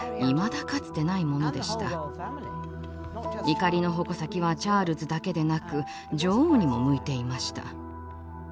怒りの矛先はチャールズだけでなく女王にも向いていました。